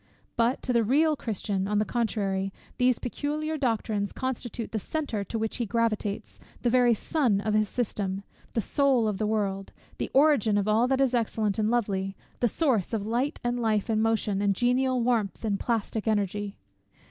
But to the real Christian, on the contrary, THESE _peculiar doctrines constitute the center to which he gravitates! the very sun of his system! the soul of the world! the origin of all that is excellent and lovely! the source of light, and life, and motion, and genial warmth, and plastic energy!